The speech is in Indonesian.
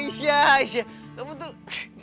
aisyah aisyah kamu tuh